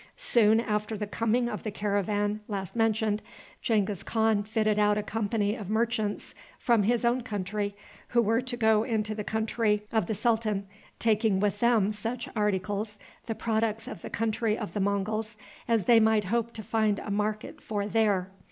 Soon after the coming of the caravan last mentioned, Genghis Khan fitted out a company of merchants from his own country, who were to go into the country of the sultan, taking with them such articles, the products of the country of the Monguls, as they might hope to find a market for there.